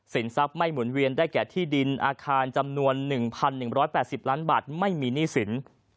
ทรัพย์ไม่หมุนเวียนได้แก่ที่ดินอาคารจำนวน๑๑๘๐ล้านบาทไม่มีหนี้สิน